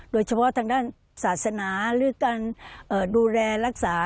โดยเฉพาะทางด้านศาสนาหรือการดูแลรักษา